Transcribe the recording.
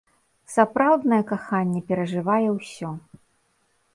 Сапраўднае каханне перажывае ўсё.